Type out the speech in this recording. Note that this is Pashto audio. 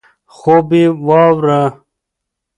خوب یې واوره.